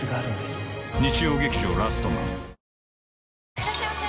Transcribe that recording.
いらっしゃいませ！